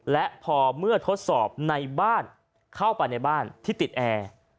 และพอเมื่อทดสอบในบ้านเข้าไปในบ้านที่ติดแอร์